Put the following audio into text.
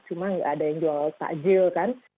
cuma nggak ada yang jual takjil kan